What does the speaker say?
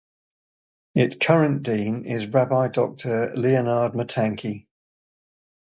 Its current Dean is Rabbi Doctor Leonard Matanky.